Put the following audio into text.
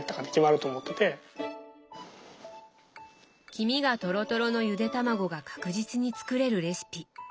黄身がトロトロのゆでたまごが確実に作れるレシピ。